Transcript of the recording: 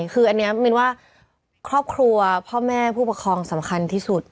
คืออันนี้มินว่าครอบครัวพ่อแม่ผู้ปกครองสำคัญที่สุด